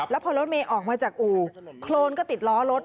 แล้วพอรถเมย์ออกมาจากอู่โครนก็ติดล้อรถ